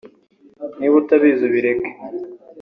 Niba utabizi ubireke